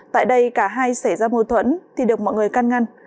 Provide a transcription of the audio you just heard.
tại đây cả hai xảy ra mâu thuẫn thì được mọi người căn ngăn